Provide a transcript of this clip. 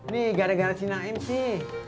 nih gara gara si naim sih